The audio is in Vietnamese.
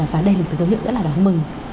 và đây là một cái dấu hiệu rất là đáng mừng